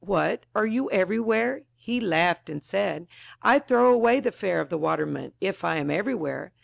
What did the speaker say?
What, are you eΛΈrywhere ? he laughed and said, I throw away the fare of the waterman, if I am everywhere.